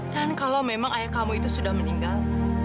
dan kalau memang ayah kamu itu sudah meninggal